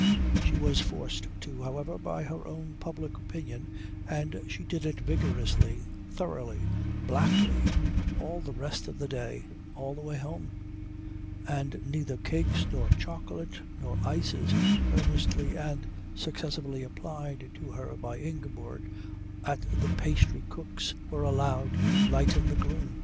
She was forced to, however, by her own public opinion, and she did it vigorously, thoroughly, blackly, all the rest of the day, all the way home; and neither cakes nor chocolate nor ices earnestly and successively applied to her by Ingeborg at the pastrycook's were allowed to lighten the gloom.